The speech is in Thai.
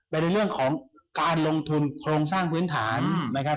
ในเรื่องของการลงทุนโครงสร้างพื้นฐานนะครับ